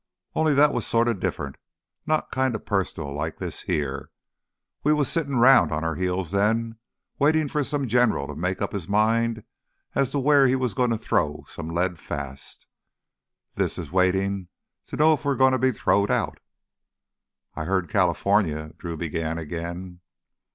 "Only that was sorta different, not kinda personal like this here. We was sittin' round on our heels then, waitin' for some general to make up his mind as to where he was gonna throw some lead fast. This is waitin' to know if we're goin' to be throwed—out!" "I heard California——" Drew began again.